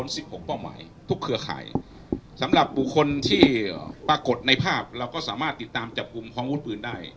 สำหรับบุคคลที่ปรากฏในภาพเราก็สามารถติดตามจับกุมพองอุดปืนได้